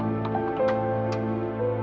nanti bu mau ke rumah